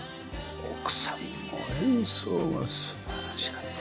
奥さんの演奏が素晴らしかった。